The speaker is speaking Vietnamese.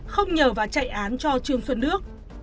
không nhờ và chạy án cho trương xuân đước